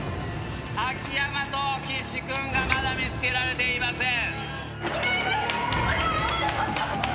秋山と岸君がまだ見つけられていません。